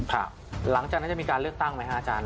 หลังจากนั้นจะมีการเลือกตั้งไหมฮะอาจารย